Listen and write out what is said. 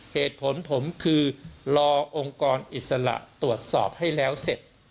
เหตุผลผมคือรอองค์กรอิสระตรวจสอบให้แล้วเสร็จ